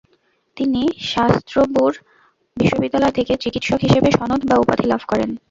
তিনি স্ত্রাসবুর বিশ্ববিদ্যালয় থেকে চিকিৎসক হিসেবে সনদ বা উপাধি লাভ করেন।